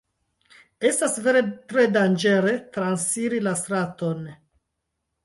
Estas vere tre danĝere transiri la straton.